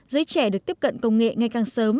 giới trẻ được tiếp cận công nghệ ngay càng sớm